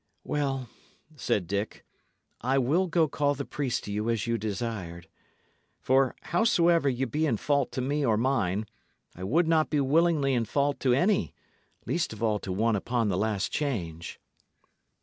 "Well," said Dick, "I will go call the priest to you as ye desired; for howsoever ye be in fault to me or mine, I would not be willingly in fault to any, least of all to one upon the last change."